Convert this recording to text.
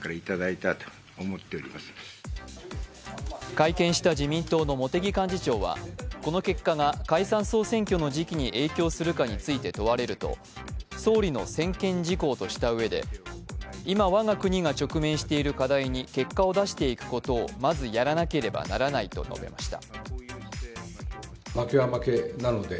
会見した自民党の茂木幹事長はこの結果が解散総選挙の時期について影響するか問われると総理の専権事項としたうえで今、我が国が直面している課題に結果を出していくことをまずやらなければならないと述べました。